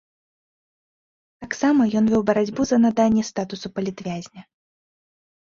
Таксама ён вёў барацьбу за наданне статусу палітвязня.